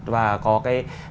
và có cái